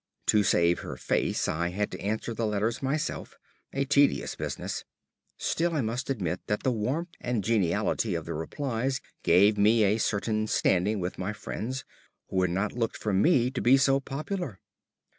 To save her face I had to answer the letters myself a tedious business. Still, I must admit that the warmth and geniality of the replies gave me a certain standing with my friends, who had not looked for me to be so popular.